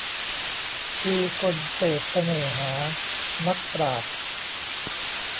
คือคนเสพเสน่หา นักปราชญ์